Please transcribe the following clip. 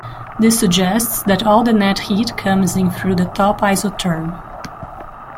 This suggests that all the net heat comes in through the top isotherm.